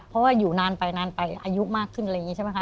เพราะว่าอยู่นานไปนานไปอายุมากขึ้นอะไรอย่างนี้ใช่ไหมคะ